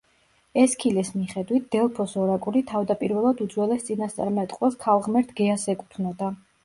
ესქილეს მიხედვით, დელფოს ორაკული თავდაპირველად უძველეს წინასწარმეტყველს ქალღმერთ გეას ეკუთვნოდა.